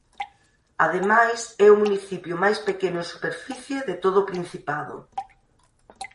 Ademais é o municipio máis pequeno en superficie de todo o principado.